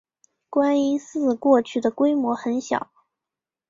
观音寺过去的规模很小。